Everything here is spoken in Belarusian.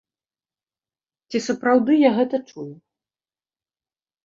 Ці сапраўды я гэта чую?